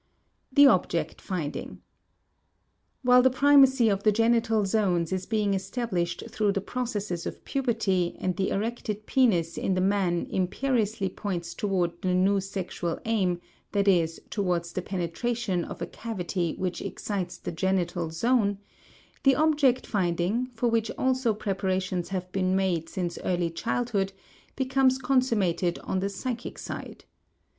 THE OBJECT FINDING While the primacy of the genital zones is being established through the processes of puberty, and the erected penis in the man imperiously points towards the new sexual aim, i.e., towards the penetration of a cavity which excites the genital zone, the object finding, for which also preparations have been made since early childhood, becomes consummated on the psychic side.